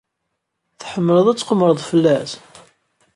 Tḥemmled ad tqemmred fell-as?